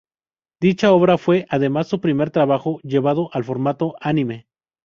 Dicha obra fue además su primer trabajo llevado al formato anime.